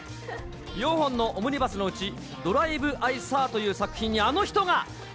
４本のオムニバスのうち、ドライブ・アイ・サーという作品にあのえ？